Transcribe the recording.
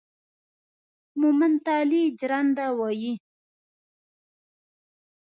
مومند تالي جرنده وايي